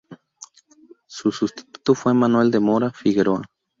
Su sustituto fue Manuel de Mora-Figueroa.